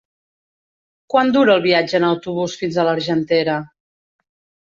Quant dura el viatge en autobús fins a l'Argentera?